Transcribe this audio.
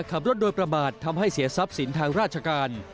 ขับรถโดยประมาททำให้เสียทรัพย์สินทางราชการ